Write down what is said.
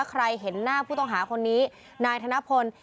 ใครเห็นหน้าผู้ต้องหาคนนี้นายธนพล